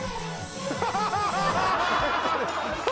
ハハハハハ